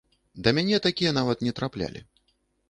Да мяне такія нават не траплялі.